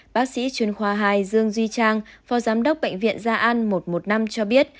bác sĩ chuyên khoa hai dương duy trang phó giám đốc bệnh viện gia an một trăm một mươi năm cho biết